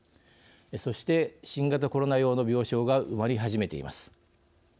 そして、新型コロナ用の病床が埋まり始めています。